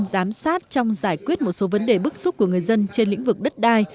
giám sát trong giải quyết một số vấn đề bức xúc của người dân trên lĩnh vực đất đai